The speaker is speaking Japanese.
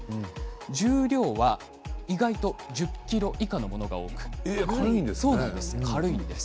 重量は意外と１０ｋｇ以下のものが多くて軽いんです。